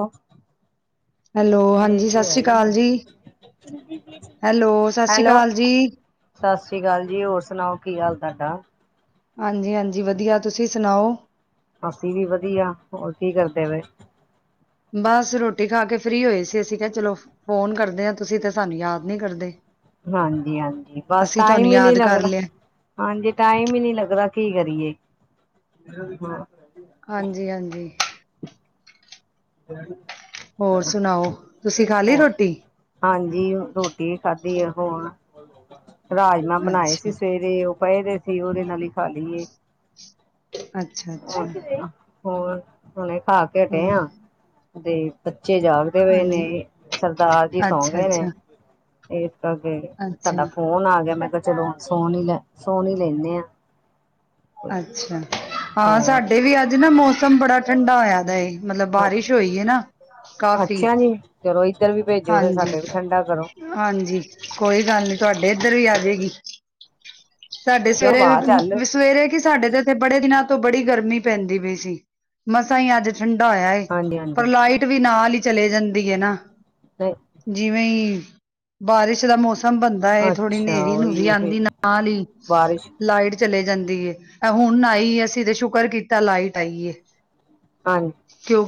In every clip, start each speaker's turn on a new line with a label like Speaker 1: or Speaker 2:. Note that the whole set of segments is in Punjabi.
Speaker 1: ਉਹ।
Speaker 2: ਹੈਲੋ ਹਾਂਜੀ ਸਤਿ ਸ੍ਰੀ ਅਕਾਲ ਜੀ ਹੈਲੋ ਸਤਿ ਸ੍ਰੀ ਅਕਾਲ ਜੀ।
Speaker 1: ਸਤਿ ਸ਼੍ਰੀ ਅਕਾਲ ਜੀ ਹੋਰ ਸੁਣਾਓ ਕੀ ਹਾਲ ਤੁਹਾਡਾ?
Speaker 2: ਹਾਂਜੀ ਹਾਂਜੀ ਵਧੀਆ ਤੁਸੀਂ ਸੁਣਾਓ?
Speaker 1: ਅਸੀਂ ਵੀ ਵਧੀਆ ਹੋਰ ਕੀ ਕਰਦੇ ਪਏ?
Speaker 2: ਬਸ ਰੋਟੀ ਖਾ ਕੇ। ਫ੍ਰਰੀ ਹੋਏ ਸੀ। ਅਸੀਂ ਕਿਹਾ ਚਲੋ ਫੋਨ ਕਰਦੇ ਹਾਂ ਤੁਸੀਂ ਤੇ ਸਾਨੂੰ ਯਾਦ ਨਹੀਂ ਕਰਦੇ।
Speaker 1: ਹਾਂਜੀ ਹਾਂਜੀ ਬਸ
Speaker 2: ਅਸੀਂ ਤੁਹਾਨੂੰ
Speaker 1: ਟਾਈਮ ਹੀ ਨਹੀਂ
Speaker 2: ਯਾਦ ਕਰ
Speaker 1: ਲੱਗਦਾ।
Speaker 2: ਲਿਆ
Speaker 1: ਹਾਂਜੀ ਟਾਈਮ ਹੀ ਨਹੀਂ ਲੱਗਦਾ ਕੀ ਕਰੀਏ। ਜਦੋਂ ਦੀ ਨਾ।
Speaker 2: ਹਾਂਜੀ ਹਾਂਜੀ
Speaker 1: ਹ
Speaker 2: ਹੋਰ ਸੁਣਾਓ। ਤੁਸੀਂ ਖਾ ਲੀ ਰੋਟੀ
Speaker 1: ਜੀ ਉਹ ਰੋ ਕੀ ਖਾਧੀ ਆ ਹੁਣ। [unintelligible] ਰਾਜਮਾਂ ਬਣਾਏ
Speaker 2: ਅੱਛਾ
Speaker 1: ਸੀ। ਸਵੇਰੇ ਉਹ ਪਏ ਦੇ ਸੀ। ਉਹਦੇ ਨਾਲ ਹੀ ਖਾ ਲਈਏ
Speaker 2: ਅੱਛਾ ਅੱਛਾ
Speaker 1: ਹੋਰ ਹੁਣੇ ਖਾ ਕੇ ਹਟੇ
Speaker 2: ਹੋਰ
Speaker 1: ਆ। ਦੇ ਬੱਚੇ ਜਾਗਦੇ ਹੋਏ ਨੇ
Speaker 2: ਹਾਂਜੀ
Speaker 1: ਸਰਦਾਰ ਜੀ ਸੌਂ
Speaker 2: ਅੱਛਾ
Speaker 1: ਗਏ ਨੇ।
Speaker 2: ਅੱਛਾ
Speaker 1: ਏਵ ਅੱਗੇ
Speaker 2: ਅੱਛਾ
Speaker 1: ਤੁਹਾਡਾ ਫੋਨ ਆ। ਗਿਆ ਮੈਂ ਚਲੋ ਸੋਹਣੀ ਲੈ ਸੋਹਣੀ ਲੈਣ ਨੇ ਆਂ
Speaker 2: ਅੱਛਾ ਹਾਂ ਸਾਡੇ ਵੀ ਅੱਜ ਨਾ ਮੌਸਮ ਬੜਾ ਠੰਡਾ ਹੋਇਆ ਦਾ ਏ ਮਤਲਬ ਬਾਰਿਸ਼ ਹੋਈ ਹੈ ਨਾ ਕਾਫ਼ੀ
Speaker 1: ਤੇੋ
Speaker 2: ਹਾਂਜੀ ਹਾਂਜੀ ਕੋਈ ਗੱਲ ਨੀ ਤੁਹਾਡ ਇੱਧਰ ਵੀ ਆ ਜੇਗੀ ਸਾਡੇ
Speaker 1: ਹਵਾ ਚੱਲ
Speaker 2: ਸਵੇਰੇ ਸਵੇਰੇ ਕਿ ਸਾਡੇ ਤੇ ਇੱਥੇ ਬੜੇ ਦਿਨਾਂ। ਤੋਂ ਬੜੀ ਗਰਮੀ ਪੈਂਦੀ ਪਈ ਸੀ ਮਸਾਂ ਹੀ ਅੱਜ ਠੰਡਾ ਹੋਇਆ ਏ
Speaker 1: ਹਾਂਜੀ ਹਾਂਜੀ
Speaker 2: ਪਰ ਲਾਈਟ ਵੀ ਨਾਲ ਈ ਚਲੇ ਜਾਂਦੀ ਹੈ ਨਾ
Speaker 1: ਨਹੀਂ
Speaker 2: ਜਿਵੇਂ ਬਾਰਿਸ਼ ਦਾ ਮੌਸਮ ਕੰਮ ਬੰਦਾ ਹੈ ਥੋੜ੍ਹੀ
Speaker 1: ਅੱਛਾ
Speaker 2: ਹਨੇਰੀ ਨੂਰੀ
Speaker 1: ਉਹੀ ਫਿਰ
Speaker 2: ਆਉਂਦੀ ਨਾਲ ਹੀ
Speaker 1: ਬਾਰਿਸ਼
Speaker 2: ਲਾਈਟ ਚਲੇ ਜਾਂਦੀ ਐ ਹੁਣ ਆਈ ਅਸੀਂ ਤੇ ਸ਼ੁਕਰ ਕੀਤਾ ਲਾਈਟ ਆਈਏ
Speaker 1: ਹਾਂ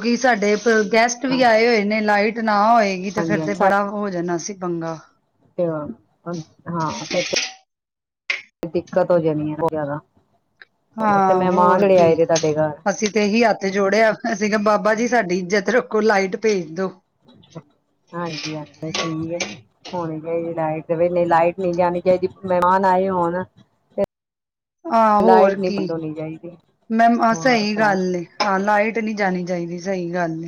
Speaker 2: ਕਿ ਸਾਡੇ ਗੈਸਟ ਵੀ ਆਏ ਹੋਏ ਨੇ ਲਾਈਟ ਨਾ ਹੋਏਗੀ ਤੇ ਫਿਰ ਤੇ ਬੜਾ ਹੋ ਜਾਣਾ ਸੀ ਬੰਗਾ
Speaker 1: ਤੇ ਹਾਂ ਫ ਦਿੱਕਤ ਹੋ ਜਾਣੀ ਹੈ ਜ਼ਿਆਦਾ ਤੇ
Speaker 2: ਹਾਂ
Speaker 1: ਮਹਿਮਾਨ
Speaker 2: ਹੋਰ
Speaker 1: ਜਿਹੜੇ
Speaker 2: ਕੀ
Speaker 1: ਆਏ ਦੇ ਤੁਹਾਡੇ ਘਰ
Speaker 2: ਅਸੀਂ ਤੇ ਇਹੀ ਹੱਥ ਜੋੜਿਆ ਅਸੀਂ ਬਾਬਾ ਬਾਬਾ ਜੀ ਸਾਡੀ ਇੱਜਤ ਰੱਖੋ ਲਾਈਟ ਭੇਜ ਦੋ
Speaker 1: ਹਾਂਜੀ ਅ ਠੀਕ ਆ ਹਣ ਲਾਈਟ ਨਹੀਂ ਲਾਈਟ ਨਹੀਂੀ ਜਾਣੀ ਚ ਮਹਿਮਾਨ ਆਏ ਹੋਣ ਤੇ
Speaker 2: ਆਹ ਹੋਰ
Speaker 1: ਲਾਈਟ ਨਹੀਂ
Speaker 2: ਕੀ
Speaker 1: ਬੰਦ ਹੋਣੀ ਚਾਹੀਦੀ
Speaker 2: ਮੈਮ ਅ
Speaker 1: ਹੋਰ
Speaker 2: ਇਹੀ
Speaker 1: ਸੁਣਾਓ
Speaker 2: ਗੱਲ ਨੇ ਹਾਂ ਲਾਈਟ ਨਹੀਂੀ ਜਾਣੀ ਚਾਹੀਦੀ ਸਹੀ ਗੱਲ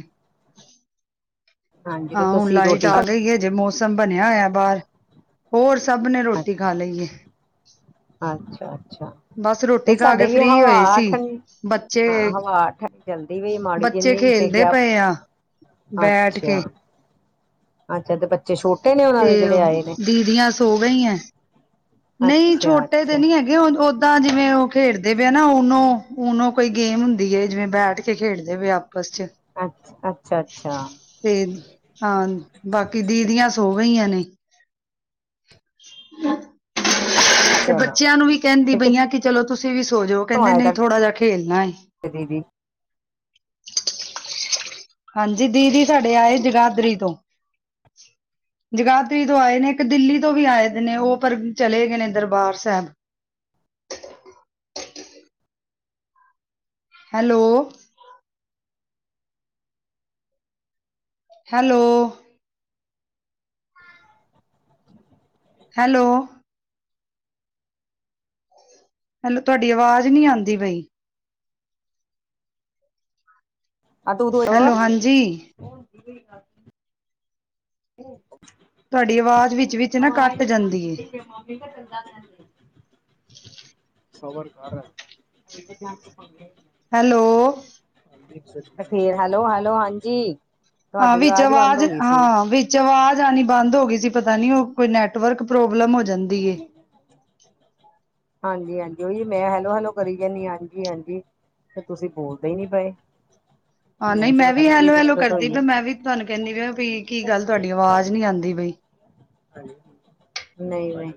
Speaker 1: ਹਾਂਜੀ ਤੇ
Speaker 2: ਹਾਂ ਹੁਣ
Speaker 1: ਤੁਸੀਂ
Speaker 2: ਲਾਈਟ
Speaker 1: ਰੋਟੀ
Speaker 2: ਆ ਲਈ ਹੈ ਜੇ ਮੋ ਮੌਸਮ ਬਣਿਆ ਹੋਇਆ ਬਾਹਰ ਹੋਰ ਸਭ ਨੇ ਰੋਟੀ ਖਾ ਲਈ ਹੈ
Speaker 1: ਅੱਛਾ -ਅੱਛਾ
Speaker 2: ਬਸ ਰੋਟੀ
Speaker 1: ਤੇ
Speaker 2: ਖਾ ਕੇ
Speaker 1: ਸਾਡੇ ਵੀ
Speaker 2: ਫ੍ਰਰੀ ਹੋਏ
Speaker 1: ਹਵਾ
Speaker 2: ਸੀ
Speaker 1: ਠੰਡੀ
Speaker 2: ਬੱਚੇ
Speaker 1: ਹਾਂ ਹਵਾ ਠੰਡੀ ਚਲਦੀ ਪਈ ਮਾੜੀ
Speaker 2: ਬੱਚੇ
Speaker 1: ਜਿੰਨੀ ਤੇ
Speaker 2: ਖੇਲਦੇ
Speaker 1: ਕਿਆ
Speaker 2: ਪਏ ਆ ਬੈਠ
Speaker 1: ਅੱਛਾ
Speaker 2: ਕੇ
Speaker 1: ਅੱਛਾ ਤੇ ਬੱਚੇ ਛੋਟੇ ਨੇ ਉਹਨਾਂ
Speaker 2: ਤੇ
Speaker 1: ਦੇ ਜਿਹੜੇ ਆਏ ਨੇ
Speaker 2: ਦੀਦੀਆਂ ਸੋ ਗਈ ਹੈ ਨਹੀਂ
Speaker 1: ਅੱਛਾ
Speaker 2: ਛੋਟੇ ਤੇ
Speaker 1: ਅੱਛਾ
Speaker 2: ਨਹੀਂੀ ਹੈਗੇ ਹੁਣ ਤਾਂ ਜਿਵੇਂ ਉਹ ਖੇਡਦੇ ਪਏ ਨਾ ਉਹਨੂੰ ਨੂੰ ਕੋਈ ਗੇਮ ਹੁੰਦੀ ਹੈ ਜਿਵੇਂ ਬੈਠ ਕੇ ਖੇਡਦੇ ਪ ਆਪਸ ਚ
Speaker 1: ਅ ਅੱਛਾ -ਅੱਛਾ
Speaker 2: ਤੇ ਹਾਂ ਬਾਕੀ ਦੀਦੀਆਂ ਸੋ ਗਈਆਂ ਨੇ ਤੇ
Speaker 1: ਚਲੋ
Speaker 2: ਬੱਚਿਆਂ ਨੂੰ ਵੀ ਕਹਿੰਦੀ
Speaker 1: ਤੇ ਕਿੱਥੋਂ
Speaker 2: ਬਈਆਂ ਕਿ ਚਲੋ ਤੁਸੀਂ ਵੀ ਸੋਜੋ ਕਹਿੰਦੇ
Speaker 1: ਆਏ
Speaker 2: ਨਹੀਂ
Speaker 1: ਤੁਹਾਡੇ
Speaker 2: ਥੋੜ੍ਹਾ ਜਿਹਾ ਖੇਲਣਾ ਹੈ
Speaker 1: ਦੀਦੀ
Speaker 2: ਹਾਂਜੀ ਦੀਦੀ ਸਾਡੇ ਆਏ ਜਗਾਦਰੀ ਤੋਂ ਜਗਾਦਰੀ ਤੋਂ ਆਏ ਨੇ ਇੱਕ ਦਿੱਲੀ ਤੋਂ ਵੀ ਆਏ ਨੇ ਉਹ ਪਰ ਚਲੇ ਗਏ ਨੇ Darbar Sahib hello- hello hello hello ਤੁਹਾਡੀ ਆਵਾਜ਼ ਨਹੀਂੀ ਆਉਂਦੀ ਬਈ
Speaker 1: ਆ ਉਦੋਂ [inaudible]
Speaker 2: ਹੈਲੋ ਹਾਂਜੀ ਤੁਹਾਡੀ ਆਵਾਜ਼ ਵਿੱਚ-ਵਿੱਚ ਨਾ ਕੱਟ
Speaker 1: [inaudible]
Speaker 2: ਜਾਂਦੀ ਏ।
Speaker 1: [unintelligible] [unintelligible]
Speaker 2: ਹੈਲੋ।
Speaker 1: ਫੇਰ ਹੈਲੋ-ਹੈਲੋ ਹਾਂਜੀ।
Speaker 2: ਹਾਂ
Speaker 1: ਤੁਹਾਡੀ
Speaker 2: ਵਿੱਚ
Speaker 1: ਬੰਦ
Speaker 2: ਆਵਾਜ਼
Speaker 1: ਹੋ ਗਈ ਸੀ
Speaker 2: ਹਾਂ ਵਿੱਚ। ਚ ਆਵਾਜ਼ ਆਉਣੀ ਬੰਦ ਹੋ ਗਈ ਸੀ ਪਤਾ ਨੀ ਉਹ ਕੋਈ ਨੈਟਵਰਕ। ਪ੍ਰੋਬਲਮ ਹੋ ਜਾਂਦੀ ਏ।
Speaker 1: ਹਾਂਜੀ-ਹਾਂਜੀ ਓਹੀ ਮੈਂ ਹੈਲੋ-ਹੈਲੋ ਕਰੀ ਜਾਂਦੀ ਹਾਂਜੀ-ਹਾਂਜੀ ਤੇ ਤੁਸੀਂ ਬੋਲਦੇ ਹੀ ਨੀ ਪਏ।
Speaker 2: ਹਾਂ ਨਹੀਂ
Speaker 1: ਕਿਹਾ
Speaker 2: ਮੈਂ
Speaker 1: ਪਤਾ
Speaker 2: ਵੀ
Speaker 1: ਨੀ ਕੀ
Speaker 2: ਹੈਲੋ-ਹੈਲੋ
Speaker 1: ਦਿੱਕਤ
Speaker 2: ਕਰਦੀ
Speaker 1: ਹੋਈ
Speaker 2: ਪ
Speaker 1: ਹੈ
Speaker 2: ਮੈਂ ਵੀ ਤੁਹਾਨੂੰ ਕਹਿੰਦੀ ਪ ਵੀ ਕੀ ਗੱਲ ਤੁਹਾਡੀ ਆਵਾਜ਼ ਨੀ ਆਉਂਦੀ ਪਈ।
Speaker 1: ਹ ਨਹੀਂ-ਨਹੀਂ।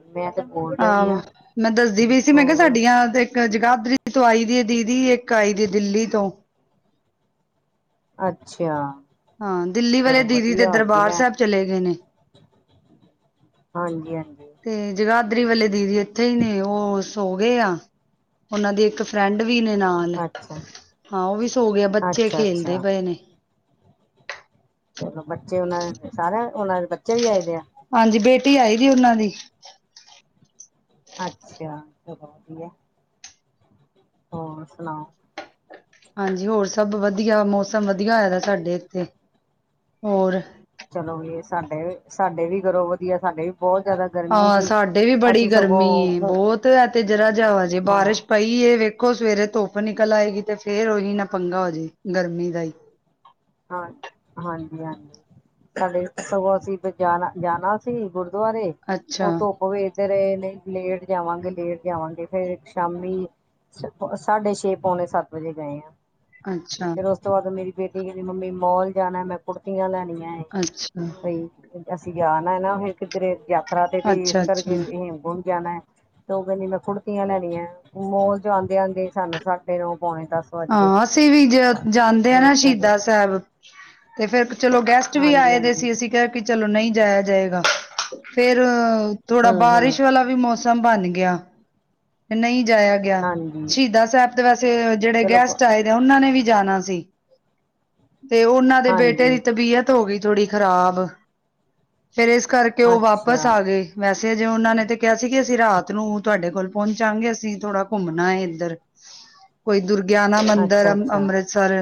Speaker 2: ਆਹ ਮੈਂ ਦੱਸਦੀ ਵੀ ਈ ਸੀ ਮੈਂ ਕਿਹਾ
Speaker 1: ਹੋਰ
Speaker 2: ਸਾਡੀਆਂ ਤੇ ਇੱਕ ਜਗਾ ਧਰੀ ਤੋਂ ਆਈ ਦੀ ਹੈ ਦੀਦੀ ਇੱਕ ਆਈ ਦੀ ਦਿੱਲੀ ਤੋਂ।
Speaker 1: ਅੱਛਾ।
Speaker 2: ਹਾਂ ਦਿੱਲੀ ਵਾਲੇ
Speaker 1: ਚਲੋ
Speaker 2: ਦੀਦੀ ਤੇ
Speaker 1: ਵਧੀਆ ਹੋ ਗਈ
Speaker 2: ਦਰਬਾਰ
Speaker 1: ਲੈ
Speaker 2: ਸਾਹਿਬ ਚਲੇ ਗਏ ਨੇ।
Speaker 1: ਹਾਂਜੀ-ਹਾਂਜੀ।
Speaker 2: ਤੇ। ਜਗਾਧਰੀ ਵਾਲੇ ਦੀਦੀ ਇੱਥੇ ਹੀ ਨੇ ਉਹ ਸੋ ਗਏ ਆ ਉਹਨਾਂ ਦੀ ਇੱਕ ਫਰੈਂਡ। ਵੀ ਨੇ ਨਾਲ
Speaker 1: ਅੱਛਾ
Speaker 2: ਹਾਂ ਉਹ ਵੀ ਸੋ ਗਿਆ ਬੱਚੇ
Speaker 1: ਅੱਛਾ
Speaker 2: ਖੇਲਦੇ
Speaker 1: ਅੱਛਾ
Speaker 2: ਪਏ ਨੇ।
Speaker 1: ਚਲੋ ਬੱਚੇ ਉਹਨਾਂ ਦੇ ਸਾਰਿਆਂ ਉਹਨਾਂ ਦੇ ਬੱਚੇ ਵੀ ਆਏ ਦੇ ਆ।
Speaker 2: ਹਾਂਜੀ ਬੇਟੀ ਆਈ ਦੀ ਉਹਨਾਂ ਦੀ।
Speaker 1: ਅੱਛਾ ਚਲੋ ਵਧੀਆ। ਹੋਰ ਸੁਣਾਓ।
Speaker 2: ਹਾਂਜੀ ਹੋਰ ਸਭ ਵਧੀਆ ਮੌਸਮ ਵਧੀਆ ਹੋਏ ਦਾ ਸਾਡੇ ਇੱਥੇ ਹੋਰ।
Speaker 1: ਚਲੋ ਵੀ ਸਾਡੇ ਵੀ ਸਾਡੇ ਵੀ ਕਰੋ ਵਧੀਆ ਸਾਡੇ ਵੀ। ਬਹੁਤ ਜ਼ਿਆਦਾ ਗਰਮੀ
Speaker 2: ਹਾਂ
Speaker 1: ਸੀ
Speaker 2: ਸਾਡੇ ਵੀ ਬੜੀ
Speaker 1: ਅਸੀਂ
Speaker 2: ਗਰਮੀ ਏ
Speaker 1: ਸਗੋਂ
Speaker 2: ਬਹੁਤ ਐ ਤੇ ਜਰਾ ਜਿਹੀ ਹਜੇ
Speaker 1: ਹਾਂ
Speaker 2: ਬਾਰਿਸ਼ ਪਈ ਏ ਵੇਖੋ। ਦੇਖੋ ਸਵੇਰੇ ਧੁੱਪ ਨਿਕਲ ਆਏਗੀ ਤੇ ਫੇਰ ਉਹੀ ਨਾ ਪੰਗਾ ਹੋਜੇ ਗਰਮੀ ਦਾ ਹੀ।
Speaker 1: ਹਾਂ ਹਾਂਜੀ-ਹਾਂਜੀ ਸਾਡੇ ਸਗੋਂ ਅਸੀਂ ਜਾਣਾ-ਜਾਣਾ ਸੀ ਗੁਰ। ਦੇ
Speaker 2: ਅੱਛਾ
Speaker 1: ਉਹ ਧੁੱਪ ਵੇਖਦੇ ਰਹੇ ਨੇ। ਲੇਟ ਜਾਵਾਂਗੇ, ਲੇਟ ਜਾਵਾਂਗੇ ਫੇਰ ਸ਼ਾਮੀ ਸਾਢੇ ਛੇ, ਪੌਣੇ ਸੱਤ ਵਜੇ ਗਏ ਆ।
Speaker 2: ਅੱਛਾ
Speaker 1: ਫਿਰ ਉਸ ਤੋਂ ਬਾਅਦ ਮੇਰੀ। ਬੇਟੀ। ਮੰਮੀ ਮੋਲ ਜਾਣਾ ਮੈਂ ਕੁੜਤੀਆਂ ਲੈਣ।
Speaker 2: ਅੱਛਾ
Speaker 1: [unintelligible] ਅਸੀਂ ਜਾਣਾ ਨਾ ਫੇ। ਕਿੱਧਰੇ ਯਾਤਰਾ ਤੇ ਵੀ ਇਸ
Speaker 2: ਅੱਛਾ ਅੱਛਾ
Speaker 1: ਕਰਕੇ ਹੇਮਕੁੰਟ। ਜਾਣਾ ਤੇ ਉਹ ਕਹਿੰਦੀ ਮੈਂ ਕੁੜਤੀਆਂ ਲੈਣੀਆਂ ਮੋਲ ਜੋ ਆਉਂਦੇ ਆਉਂਦੇ ਸਾਨੂੰ ਛਾਡ ਆਓ।
Speaker 2: ਹਾਂ ਅਸੀਂ ਵੀ ਜਾਂਦੇ ਹ
Speaker 1: ਇਸ
Speaker 2: ਨਾ
Speaker 1: ਕਰਕੇ
Speaker 2: ਸ਼ਹੀਦਾਂ ਤੇ ਫੇਰ ਚਲੋ ਗੈਸਟ ਵੀ
Speaker 1: ਹਾਂਜੀ
Speaker 2: ਆਏ ਦੇ
Speaker 1: ਹਾਂਜੀ
Speaker 2: ਸੀ ਅਸੀਂ ਕਆ ਕਿ ਚਲੋ ਨਹੀਂ ਜਾਇਆ ਜਾਏਗਾ। ਫੇਰ ਥੋੜਾ
Speaker 1: ਹੂੰ ਹੂੰ
Speaker 2: ਬਾਰਿਸ਼ ਵਾਲਾ ਵੀ ਮੌਸਮ ਬਣ ਗਿਆ। ਤੇ ਨਹੀਂ ਜਾਆ ਗਿਆ।
Speaker 1: ਹਾਂਜੀ
Speaker 2: ਸ਼ਹੀਦ ਸਾਹਿਬ ਤੇ ਵੈਸੇ ਜਿਹੜੇ
Speaker 1: ਚਲੋ ਪ
Speaker 2: ਗੈਸਟ ਆਏ ਨੇ ਉਹਨਾਂ ਨੇ ਵੀ ਜਾਣਾ ਸੀ। ਤੇ ਉਹਨਾਂ ਦੇ ਬੇਟੇ ਦੀ
Speaker 1: ਹਾਂਜੀ
Speaker 2: ਤਬੀਅਤ ਹੋ ਗਈ ਥੋੜੀ ਖਰਾਬ ਫੇਰ ਇਸ ਕਰਕੇ ਉਹ
Speaker 1: ਅੱਛਾ
Speaker 2: ਵਾਪਿਸ ਆ ਗਏ। ਵੈਸੇ ਜੇ ਉਹਨਾਂ ਨੇ ਤੇ ਕਿਹਾ ਸੀ ਕਿ ਅਸੀਂ ਰਾਤ ਨੂੰ ਤੁਹਾਡੇ ਕੋਲ ਪਹੁੰਚਾਂਗੇ ਅਸੀਂ ਥੋੜਾ ਘੁੰਮਣਾ ਇੱਧਰ ਕੋਈ ਦੁਰ ਗਿਆਨਾ ਮੰਦਿਰ
Speaker 1: ਅੱਛਾ ਅੱਛਾ
Speaker 2: ਅੰਮ੍ਰਿਤਸਰ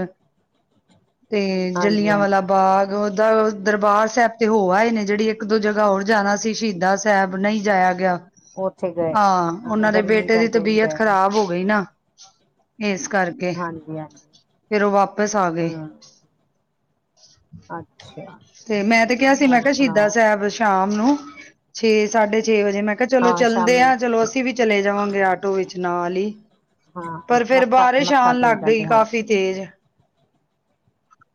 Speaker 2: ਤੇ
Speaker 1: ਹਾਂਜੀ
Speaker 2: ਜਲੀਆਂ ਵਾਲਾ
Speaker 1: ਹਾਂਜੀ
Speaker 2: ਬਾਗ ਦਾਂ ਦਰਬਾਰ ਸਾਹਿਬ ਤੇ ਹੋ ਆਏ ਨੇ, ਜਿਹੜੀ ਇੱਕ ਦੋ ਜਗ੍ਹਾ ਹੋਰ ਜਾਣਾ ਸੀ ਸ਼ਹੀਦਾ ਸਾਹਿਬ ਨਹੀਂ ਜਾਇਆ ਗਿਆ।
Speaker 1: ਉੱਥੇ ਗਏ
Speaker 2: ਹਾਂ
Speaker 1: ਹਾਂ
Speaker 2: ਉਹਨਾਂ ਦੇ
Speaker 1: ਗਰਮੀ
Speaker 2: ਬੇਟੇ ਦੀ
Speaker 1: ਕਰਕੇ ਨਹੀਂ
Speaker 2: ਤਬੀਅਤ
Speaker 1: ਗਏ ਨਾ
Speaker 2: ਖ਼ਰਾਬ ਹੋ ਗਈ ਨਾ ਇਸ ਕਰਕੇ
Speaker 1: ਹਾਂਜੀ ਹਾਂਜੀ
Speaker 2: ਫੇਰ ਉਹ ਵਾਪਿਸ ਆ ਗਏ।
Speaker 1: ਹੂੰ ਅੱਛਾ।
Speaker 2: ਤੇ ਮੈਂ ਤੇ ਕਿਹਾ ਸੀ ਮੈਂ
Speaker 1: ਹੋਰ
Speaker 2: ਕਿਹਾ ਸ਼ਹੀਦਾ
Speaker 1: ਸੁਣਾਓ
Speaker 2: ਸਾਹਿਬ ਸ਼ਾਮ ਨੂੰ ਛੇ ਸਾਢੇ ਛੇ ਛੇ ਵਜੇ ਮੈਂ ਕਿਹਾ ਚਲੋ
Speaker 1: ਹਾਂ
Speaker 2: ਚੱਲਦੇ
Speaker 1: ਸ਼ਾਮੀ
Speaker 2: ਆਾਂ ਚਲੋ ਅਸੀਂ ਵੀ ਚਲੇ ਜਾਵਾਂਗੇ ਆਟੋ ਵਿੱਚ ਨਾਲ ਹੀ
Speaker 1: ਹਾਂ
Speaker 2: ਪਰ
Speaker 1: ਹਾਂ
Speaker 2: ਫੇਰ
Speaker 1: ਮੱਥਾ
Speaker 2: ਬਾਰਿਸ਼
Speaker 1: ਮੱਥਾ
Speaker 2: ਆਉਣ ਲੱਗ
Speaker 1: ਟੇਕ
Speaker 2: ਗਈ
Speaker 1: ਆਂਦੇ ਹਾਂਜੀ
Speaker 2: ਕਾਫ਼ੀ ਤੇਜ਼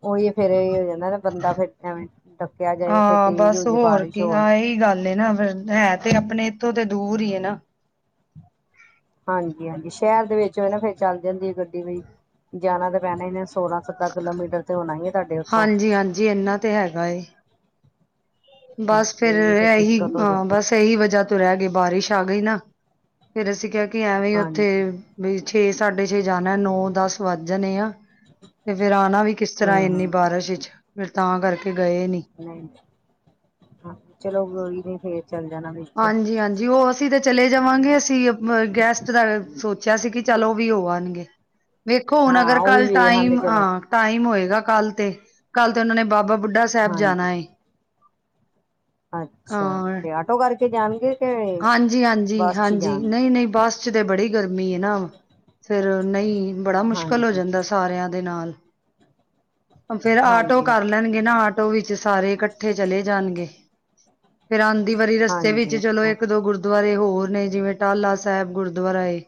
Speaker 1: ਉਹੀ ਫੇਰ ਇਹ ਹੋ ਜਾਂਦਾ ਨਾ, ਬੰਦਾ ਫਿਰ ਐਵੇਂ ਡੱਕਿਆ ਜਾਏ ਉੱਥੇ
Speaker 2: ਹਾਂ
Speaker 1: ਤੇਜ਼ ਹੋ
Speaker 2: ਬਸ
Speaker 1: ਜਾਏ ਬਾਰਿਸ਼
Speaker 2: ਕੀ
Speaker 1: ਹੋਰ
Speaker 2: ਆ ਇਹੀ ਗੱਲ ਏ ਨਾ ਫਿਰ ਹੈ ਤੇ ਆਪਣੇ ਇੱਥੋਂ ਤੇ ਦੂਰ ਹੀ ਹੈ ਨਾ
Speaker 1: ਹਾਂਜੀ, ਹਾਂਜੀ ਸ਼ਹਿਰ ਦੇ ਵਿੱਚ ਨਾ ਫੇਰ ਚੱਲ ਜਾਂਦੀ ਗੱਡੀ ਵੀ ਜਾਣਾ ਤਾਂ ਪੈਣਾ [unintelligible] ਸੋਲਾਂ ਸੱਤਾਂ ਕਿਲੋਮੀਟਰ ਤੇ ਹੋਣਾ ਹੀ ਹੈ, ਤੁਹਾਡੇ ਉੱਥੋਂ।
Speaker 2: ਹਾਂਜੀ ਹਾਂਜੀ ਇਨਾ ਤੇ ਹੈਗਾ ਏ। ਬਸ ਫੇਰ
Speaker 1: ਉਹੀ ਫਿਰ
Speaker 2: ਇਹੀ
Speaker 1: ਦਿੱਕਤ ਹੋ
Speaker 2: ਹਾਂ
Speaker 1: ਜਾਂਦੀ
Speaker 2: ਬਸ ਇਹੀ ਵਜ੍ਹਾ ਤੋਂ ਰਹਿ ਗਏ ਬਾਰਿਸ਼ ਛਾ ਗਈ ਨਾ ਫੇਰ ਅਸੀਂ ਕ ਕਿ ਐਵੇਂ ਉੱਥੇ
Speaker 1: ਹਾਂਜੀ
Speaker 2: ਵੀ ਫੇਰ ਸਾਡੇ ਜੇ ਜਾਣਾ ਨੌ ਦਸ ਵੱਜ ਜਾਣੇ ਆ ਤੇ ਫੇਰ ਆਉਣਾ ਵੀ ਕਿਸ ਤਰ੍ਹਾਂ
Speaker 1: ਹੂੰ-ਹੂੰ
Speaker 2: ਇੰਨੀ ਬਾਰਿਸ਼ ਵਿੱਚ ਫੇਰ ਤਾਂ ਕਰਕੇ ਕੇ ਗਏ ਨੀ
Speaker 1: ਨਹੀਂ ਹਾਂ ਚਲੋ ਗੋਰੀ ਨੇ ਫੇਰ ਚੱਲ ਜਾਣਾ ਵਿੱਚ
Speaker 2: ਹਾਂਜੀ ਹਾਂਜੀ ਉਹ ਅਸੀਂ ਤਾਂ ਚਲੇ ਜਾਵਾਂਗੇ ਅਸੀਂ ਅ ਗੈਸਟ ਦਾ ਸੋਚਿਆ ਸੀ ਕਿ ਚੱਲ ਉਹ ਵੀ ਹੋ ਆਣਗੇ ਵੇਖੋ ਹੁਣ
Speaker 1: ਹਾਂ
Speaker 2: ਅਗਰ
Speaker 1: ਉਹੀ
Speaker 2: ਕੱਲ
Speaker 1: ਵੇਖ ਆਂਦੇ
Speaker 2: ਟਾਈਮ
Speaker 1: ਚਲੋ
Speaker 2: ਹਾਂ ਟਾਈਮ ਹੋਏਗਾ ਗਾ ਕੱਲ ਤੇ ਕੱਲ੍ਹ ਤੇ ਉਹਨਾਂ ਨੇ ਬਾਬਾ ਬੁੱਢਾ ਸਾਹਿਬ
Speaker 1: ਹਾਂਜੀ
Speaker 2: ਜਾਣਾ ਹੈਏ
Speaker 1: ਅੱਛਾ ਤੇ ਆਟੋ ਕਰ
Speaker 2: ਹਾਂਜੀ ਹਾਂਜੀ
Speaker 1: ਚ ਹੀ
Speaker 2: ਹਾਂਜੀ
Speaker 1: ਜਾਣਗੇ
Speaker 2: ਨਹੀਂ ਨਹੀਂ ਬੱਸ ਚ ਤਾਂ ਬੜੀ ਮੀਨਾ ਫੇਰ ਨਹੀਂ ਬੜਾ ਮੁਸ਼ਕਿਲ ਹੋ ਜਾਂਦਾ ਸਾਰਿਆਂ ਦੇ ਨਾਲ [unintelligible] ਫੇਰ ਆਟੋ ਕਰ
Speaker 1: ਹਾਂਜੀ-ਹਾਂਜੀ-ਹਾਂਜੀ-ਹਾਂਜੀ
Speaker 2: ਲੈਣਗੇ ਨਾ ਆਟੋ ਆਟੋ ਵਿੱਚ ਸਾਰੇ ਇਕੱਠੇ ਚਲੇ ਜਾਣਗੇ ਫੇਰ ਅ ਦੀ ਵਾਰੀ ਰਸ ਵਿੱਚ ਚਲੋ ਇੱਕ ਦੋ ਗੁਰਦੁਆਰੇ ਹੋ ਹੋਰ ਨੇ ਜਿਵੇਂ ਟਢਾਲਾ ਸਾਹਿਬ ਗੁਰਦੁਆਰਾ ਏ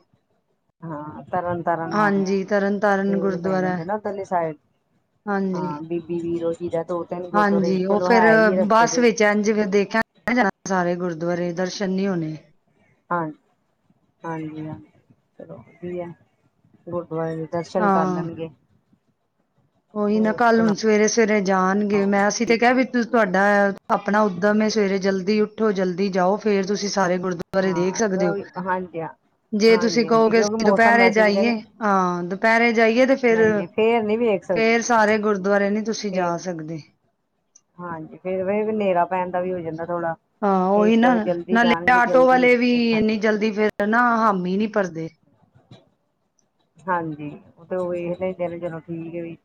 Speaker 1: ਹਾਂ ਤਰਨ ਤਰਨ ਹੋ ਗਿਆ
Speaker 2: ਹਾਂਜੀ ਤਰਨ ਤਾਰਨ
Speaker 1: ਹਲੀ ਪੈ
Speaker 2: ਗੁਰਦੁਆਰਾ
Speaker 1: ਜਾਂਦੇ ਨਾ ਉਹਦਲੀ ਸਾਈਡ
Speaker 2: ਹਾਂਜੀ।
Speaker 1: ਹਾਂ ਬੀਬੀ ਵੀਰੋ ਜੀ ਦਾ ਦੋ ਤਿੰਨ ਗੁਰਦੁਆਰੇ
Speaker 2: ਹਾਂਜੀ ਉਹ
Speaker 1: ਚਲੋ
Speaker 2: ਫਿਰ
Speaker 1: ਹੈ ਹੀ ਰਸਤੇ
Speaker 2: ਬੱਸ
Speaker 1: ਤੇ
Speaker 2: ਵਿੱਚ ਇੰਝ ਦੇਖਿਆ ਸਾਰੇ ਗੁਰਦੁਆਰੇ ਦਰਸ਼ਨ ਨਹੀਂ ਹੋਣੇ
Speaker 1: ਹਾਂ ਹਾਂਜੀ ਹਾਂਜੀ ਚਲੋ ਠੀ ਗ ਦਰਸ਼ਨ ਕਰ
Speaker 2: ਹਾਂ।
Speaker 1: ਲੈਣਗੇ
Speaker 2: ਉਹੀ ਨਾ
Speaker 1: ਹੋਰ
Speaker 2: ਕੱਲ
Speaker 1: ਸੁਣਾ
Speaker 2: ਹੁਣ ਸਵੇਰੇ ਸਵੇਰੇ ਜਾਣਗੇ ਮੈਂ ਅਸੀਂ ਤੇ ਕਿਹਾ ਵੀ ਤੁਹਾਡਾ ਆਪਣਾ ਉੱਦਮ ਸਵੇਰੇ ਜਲਦੀ ਉੱਠੋ ਜਲਦੀ ਜਾਓ ਫਿਰ ਤੁਸੀਂ ਸਾਰੇ ਗੁਰਦੁਆਰੇ
Speaker 1: ਹਾਂ
Speaker 2: ਦੇਖ ਸਕਦੇ ਹੋ
Speaker 1: ਹਾਂਜੀ ਹਾਂ
Speaker 2: ਜੇ ਤੁਸੀਂ
Speaker 1: ਹਾਂਜੀ ਹਾਂਜੀ
Speaker 2: ਕਹੋਗੇ
Speaker 1: ਕਿਉਂਕਿ
Speaker 2: ਅਸੀਂ
Speaker 1: ਮੌਸਮ
Speaker 2: ਦੁਪਹਿਰੇ
Speaker 1: ਵੈਸੇ ਵੀ
Speaker 2: ਜਾਈਏ
Speaker 1: ਕਹਿੰਦੇ
Speaker 2: ਹਾਂ ਦੁਪਹਿਰੇ ਜਾਈਏ ਤੇ ਫਿਰ
Speaker 1: ਨਹੀਂ ਨਹੀਂ ਫੇਰ ਨਹੀਂ ਵੇਖ ਸਕਦੇ
Speaker 2: ਫਿਰ ਸਾਰੇ ਗੁਰਦੁਆਰੇ ਨੀ ਤੁਸੀਂ
Speaker 1: ਫੇਰ
Speaker 2: ਜਾ ਸਕਦੇ
Speaker 1: ਹਾਂਜੀ ਫਿਰ ਹਨੇਰਾ ਪੈਣ ਦਾ ਵੀ ਹੋ ਜਾਂਦਾ ਥੋੜਾ
Speaker 2: ਹਾਂ ਉਹੀ
Speaker 1: ਇਸ
Speaker 2: ਨਾ
Speaker 1: ਕਰਕੇ ਜਲਦੀ
Speaker 2: ਨਾਲੇ
Speaker 1: ਜਾਣਗੇ
Speaker 2: ਆਟੋ
Speaker 1: ਜਲਦੀ
Speaker 2: ਵਾਲੇ ਵੀ ਇਨੀ
Speaker 1: ਵੇਖਣਗੇ
Speaker 2: ਜਲਦੀ ਫਿਰ ਨਾ ਹਾਮ ਹੀ ਨੀ ਭਰਦੇ
Speaker 1: ਹਾਂਜੀ ਉਹ ਤੇ ਇਹ ਦਿਨ ਚਲੋ ਠੀਕ ਹੈ ਵੀ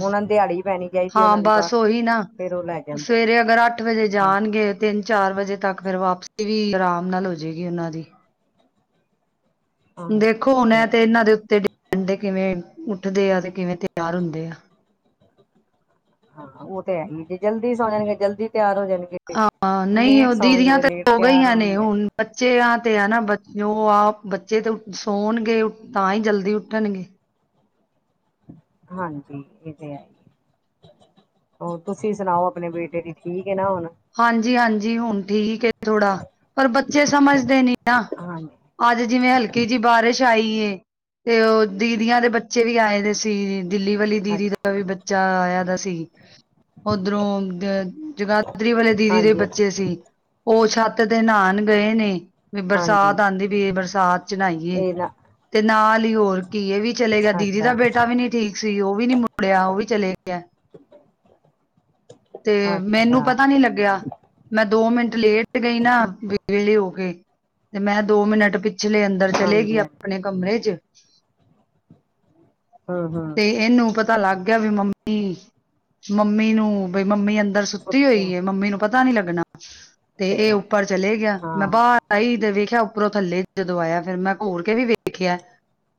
Speaker 1: ਉਹਨਾਂ ਨੂੰ ਦਿਹਾੜੀ ਪੈਣੀ ਚਾਹੀਦੀ ਉਹਨਾਂ ਦੀ
Speaker 2: ਬਸ ਉਹੀ ਨਾ
Speaker 1: ਫੇਰ ਉਹ ਲੈ ਜਾਂਦੇ ਆ
Speaker 2: ਸਵੇਰੇ ਅਗਰ ਅੱਠ ਵਜੇ
Speaker 1: ਹਾਂ
Speaker 2: ਜਾਣਗੇ ਤਿਨ ਚਾਰ ਵਜੇ ਤੱਕ ਫਿਰ ਵਾਪ ਵੀ ਆਰਾਮ ਨਾਲ ਹੋਜਏਗੀ ਉਹਨਾਂ ਦੀ ਦੇਖੋ ਹੁਣ ਐ ਤੇ ਇਹਨਾਂ ਦੇ ਉੱਤੇ ਡਿਡ ਕਿਵੇਂ ਉਠਦੇ ਆ ਤੇ ਕਿਵੇਂ ਤਿਆਰ ਹੁੰਦੇ ਆ
Speaker 1: ਹਾਂ ਉਹ ਤਾਂ ਹੈ ਜੇ ਜਲਦੀ ਸੋ ਜਾਣਗੇ ਜਲਦੀ ਤਿਆਰ ਹੋ ਜਾਣਗੇ
Speaker 2: ਹਾਂ ਨਹੀਂ
Speaker 1: ਲੇਟ
Speaker 2: ਉਹ
Speaker 1: ਸੋਵਾਂਗੇ
Speaker 2: ਦੀਦੀਆਂ
Speaker 1: ਤੇ ਲੇਟ
Speaker 2: ਸੋ
Speaker 1: ਤਿਆਰ
Speaker 2: ਗਈਆਂ ਨੇ
Speaker 1: ਹੋਣਗੇ
Speaker 2: ਹੁਣ ਬੱਚਿਆਂ ਤੇ ਹੈ ਨਾ ਬ ਉਹ ਆਪ ਬੱਚੇ ਤੇ ਸੌਣਗੇ ਤਾਂ ਹੀ ਜਲਦੀ ਉੱਠਣਗੇ
Speaker 1: ਹਾਂਜੀ ਇਹ ਤੇ ਹੈ ਹੋਰ ਤੁਸੀਂ ਸੁਣਾਓ ਆਪਣੇ ਬੇਟੇ ਦੀ ਠੀਕ ਹੈ ਨਾ ਹੁਣ
Speaker 2: ਹਾਂਜੀ-ਹਾਂਜੀ ਹੁਣ ਠੀਕ ਹੈ ਥੋੜਾ ਪਰ ਬੱਚੇ ਸਮਝਦੇ ਨੀ ਨਾ
Speaker 1: ਹਾਂਜੀ
Speaker 2: ਅੱਜ ਜਿਵੇਂ ਹਲਕੀ ਜਿਹੀ ਬਾਰਿਸ਼ ਛਈ ਤੇ ਉਹ ਦੀਦੀਆਂ ਦੇ ਬੱਚੇ ਵੀ ਆਏ ਦੇ ਸੀ ਦਿੱਲੀ ਵਾਲੀ ਦੀਦੀ ਦਾ
Speaker 1: ਅੱਛਾ
Speaker 2: ਵੀ ਬੱਚਾ ਆਇਆ ਦਾ ਸੀ ਉਧਰੋਂ ਜ ਜਗਾ ਪਾਦਰੀ ਵਾਲੇ ਦੀਦੀ ਦੇ
Speaker 1: ਹਾਂਜੀ
Speaker 2: ਬੱਚੇ ਸੀ ਉਹ ਛੱਤ ਦੇ ਨਾਨ ਗਏ ਨੇ ਵੀ
Speaker 1: ਹਾਂਜੀ
Speaker 2: ਬਰਸਾਤ ਆਉਂਦੀ ਵੀਈ ਬਰਸਾਤ ਚਣਾ ਨਾਈਏ
Speaker 1: ਇਹ ਨਾ
Speaker 2: ਤੇ ਨਾਲ ਹੀ ਹੋਰ ਕੀਏ ਵੀ ਚਲੇ ਗਿਆ ਦੀਦੀ ਦਾ
Speaker 1: ਅੱਛਾ
Speaker 2: ਬੇਟਾ ਵੀ ਨੀ ਠੀਕ ਸੀ ਉਹ ਵੀ ਨੀ ਮੁੜਿਆ ਉਹ ਵੀ ਚਲੇ ਗਿਆ ਤੇ ਮੈਨੂੰ
Speaker 1: ਅੱਛਾ
Speaker 2: ਪਤਾ ਨੀ ਲੱਗਿਆ ਮੈਂ ਦੋ ਮਿੰਟ ਲੇਟ ਗਈ ਨਾ ਵਿਹਲੀ ਹੋ ਕੇ ਤੇ ਮੈਂ ਦੋ ਮਿੰਟ ਪ ਪਿਛਲੇ ਅੰਦਰ ਚਲੇਗੀ
Speaker 1: ਹਾਂਜੀ ਹਾਂਜੀ
Speaker 2: ਆਪਣੇ ਕਮਰੇ ਚ
Speaker 1: ਹਮ ਹਮ
Speaker 2: ਤੇ ਇਹਨੂੰ ਪਤਾ ਪਤਾ ਲੱਗ ਗਿਆ ਵੀ ਮੰਮੀ-ਮੰਮੀ ਨੂੰ ਵੀ ਮੰਮੀ ਅੰਦਰ ਸੁਤੀ
Speaker 1: ਸੁੱਤੇ
Speaker 2: ਹੋਈਏ ਮੰਮੀ ਨੂੰ ਪਤਾ ਪਤਾ ਨੀ ਲੱਗਣਾ ਤੇ ਇਹ ਉੱਪਰ ਚਲੇ ਗਿਆ ਮੈਂ
Speaker 1: ਹਾਂ ਹਾਂ
Speaker 2: ਬਾਹਰ ਆਈ ਤੇ ਵੇਖ। ਖਿਆ ਉੱਪਰੋਂ ਥੱਲੇ ਜਦੋਂ ਆਇਆ ਫੇਰ ਮੈਂ ਘੋਲ ਕੇ ਵੀ ਵੇਖਿਆ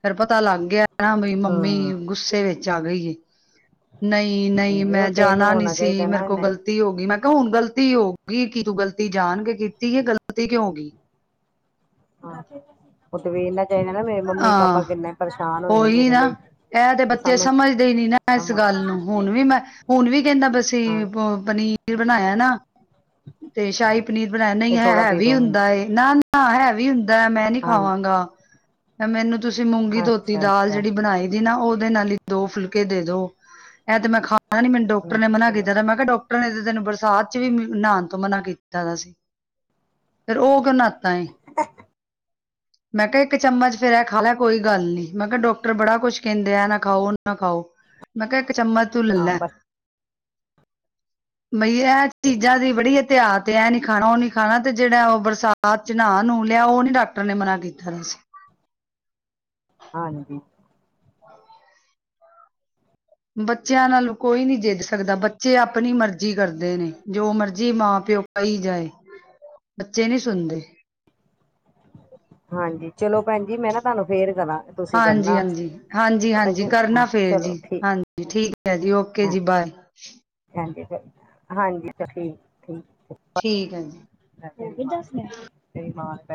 Speaker 2: ਫੇਰ ਪਤਾ ਲੱਗ ਗਿਆ। ਕਣਾ ਵੀ ਮੰਮੀ
Speaker 1: ਹਮ
Speaker 2: ਗੁੱਸੇ ਵਿ ਚ ਆ ਗਈ ਹੈ। ਨਹੀਂ-ਨਹੀਂ
Speaker 1: ਨਹੀਂ ਉਹ
Speaker 2: ਮੈਂ
Speaker 1: ਤੇ ਇਹਨੂੰ
Speaker 2: ਜਾਣਾ ਨਹੀਂ
Speaker 1: ਹੋਣਾ
Speaker 2: ਸੀ
Speaker 1: ਚਾਹੀਦਾ
Speaker 2: ਮੇਰੇ
Speaker 1: ਨਾ
Speaker 2: ਕੋਲ
Speaker 1: ਨਹੀਂ
Speaker 2: ਗਲਤੀ ਮੈਂ ਕਾ ਹੁਣ ਗਲਤੀ ਹੋਗੀ ਕੀ ਤੂੰ ਗ਼ਲਤੀ ਜਾਣ ਕੇ ਕੀਤੀ ਐ ਗ਼ਲਤੀ ਕਿਉ ਹੋਗੀ।
Speaker 1: ਹਾਂ [unintelligible] ਮੰਮੀ
Speaker 2: ਹਾਂ
Speaker 1: ਪਾਪਾ ਕਿੰਨੇ ਪਰੇਸ਼ਾਨ ਹੋਏ ਨੇ
Speaker 2: ਓਹੀ
Speaker 1: ਮੇਰੇ
Speaker 2: ਨਾ
Speaker 1: ਲਈ
Speaker 2: ਐ ਤੇ ਬੱਚੇ ਸਮਝਦੇ ਈ ਨੀ ਨਾ ਇਸ
Speaker 1: ਸਮਝ
Speaker 2: ਗੱਲ ਨੂੰ ਹੁਣ ਵੀ ਮੈਂ ਹੁਣ ਵੀ ਕੈਂਦਾ ਪਿਆ ਸੀ
Speaker 1: ਹਾਂ
Speaker 2: ਪਨੀਰ, ਰ ਬਣਾਇਆ ਨਾ। ਤੇ ਸ਼ਾਹੀ ਪਨੀਰ ਬਣਾਇਆ ਨਈ
Speaker 1: ਇਹ ਥੋੜਾ ਦੇ
Speaker 2: ਹੈਵੀ
Speaker 1: ਦੋ ਮੈਨੂੰ
Speaker 2: ਹੁੰਦਾ ਏ ਨਾ-ਨਾ ਹੈਵੀ ਹੁੰਦਾ ਮੈਂ ਨੀ
Speaker 1: ਹਾਂਜੀ
Speaker 2: ਖਾਵਾਂਗਾ। ਐ ਮੈਨੂੰ ਤੁਸੀਂ ਮੂੰਗੀ ਧੋਤੀ
Speaker 1: ਅੱਛਾ
Speaker 2: ਦਾਲ
Speaker 1: ਅੱਛਾ
Speaker 2: ਜੇੜੀ ਬਣਾਈ ਦੀ ਨਾ ਔ, ਦੇ ਨਾਲ ਈ ਦੋ ਫੁਲਕੇ ਦੇ ਦੋ ਐ ਤੇ ਮੈਂ ਖਾ ਨਾ ਨੀ ਮੈਨੂੰ ਡੋਕਟਰ
Speaker 1: ਨਹੀਂ
Speaker 2: ਨੇ ਮਨਾ
Speaker 1: ਚਲੋ
Speaker 2: ਕੀਤਾ ਮੈਂ ਕਿਆ ਡਾਕਟਰ ਨੇ ਤਾਂ ਤੈਨੂੰ ਬ ਸਾਧ ਚ ਵੀ ਨਾਣ ਤੋਂ ਮਨਾ ਕੀਤਾ ਦਾ ਸੀ ਫਿਰ ਔ ਕਿਉਂ ਨਾ ਤਾਈ, ਮੈਂ ਕਾ ਇੱਕ ਚਮਚ ਫੇਰ ਐ ਖਾਲਾ ਕੋਈ ਗੱਲ ਨੀ ਮੈਂ ਕਿਹਾ ਡੋਕਟਰ ਬੜਾ ਕੁੱਛ ਕੇਂਦੇ ਐ ਐ ਨਾ ਖਾਓ ਔ ਨਾ ਖਾਓ ਮੈਂ ਕਾ ਇਕ ਚਮਚ ਤੂੰ
Speaker 1: ਹਾਂ
Speaker 2: ਲੈਲਾ,
Speaker 1: ਬਸ
Speaker 2: ਮਈ ਐ ਚੀਜ਼ਾਂ ਦੀ ਬੜੀ ਤੇ ਆ ਤੇ ਐ ਨੀ ਖਾਣਾ ਔ ਨੀ ਖਾਣਾ ਤੇ ਜੇੜਾ ਔ ਬਰਸਾਤ ਚ ਨਾਅ ਨੂੰਹ ਲਿਆ ਔ ਨੀ ਡਾਕਟਰ ਨੇ ਮਨਾ ਕੀਤਾ ਦਾ ਸੀ।
Speaker 1: ਹਾਂਜੀ।
Speaker 2: ਬੱਚਿਆਂ ਨਾਲ ਕੋਈ ਨੀ ਜਿੱਦ ਸਕਦਾ ਬੱਚੇ ਆਪਣੀ ਮਰਜ਼ੀ ਕਰਦੇ ਨੇ ਜੋ ਮਰਜ਼ੀ ਮਾਂ ਪਿਓ ਕਈ ਜਾਏ ਬੱਚੇ ਨੀ ਸੁਣਦੇ।
Speaker 1: ਹਾਂਜੀ ਚਲੋ ਭੈਣ ਜੀ ਮੈਂ ਨਾ ਤੁਹਾਨੂੰ ਫੇਰ ਕਰਾਂ ਤੁਸੀਂ ਕਰਨਾ ਪਤਾ
Speaker 2: ਹਾਂਜੀ-ਹਾਂਜੀ-ਹਾਂਜੀ-ਹਾਂਜੀ
Speaker 1: ਕੀ ਹਾਂ
Speaker 2: ਕਰਨਾ ਫੇਰ
Speaker 1: ਚਲੋ
Speaker 2: ਜੀ
Speaker 1: ਠੀਕ
Speaker 2: ਹਾਂਜੀ ਠੀਕ, ਐ ਜੀ ਓਕੇ
Speaker 1: ਹਾਂ
Speaker 2: ਜੀ ਬਾਏ।
Speaker 1: ਹਾਂਜੀ ਹਾਂਜੀ ਤਾਂ ਠੀਕ-ਠੀਕ,
Speaker 2: ਠੀਕ ਹੈ ਜੀ
Speaker 1: [unintelligible] ਹੋਗੇ ਦਸ ਮਿੰਟ [unintelligible]